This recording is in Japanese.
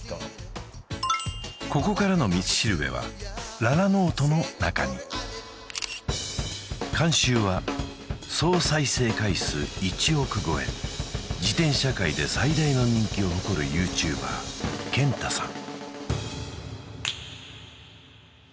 ここからの道しるべはララＮＯＴＥの中に監修は総再生回数１億超え自転車界で最大の人気を誇るＹｏｕＴｕｂｅｒけんたさん